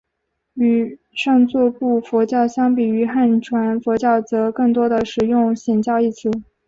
与上座部佛教相比汉传佛教则更多地使用显教一词。